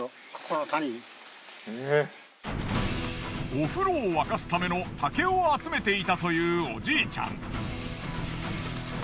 お風呂を沸かすための竹を集めていたというおじいちゃん。